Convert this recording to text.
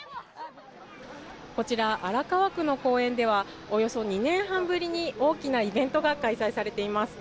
こちら、荒川区の公園ではおよそ２年半ぶりに大きなイベントが開催されています。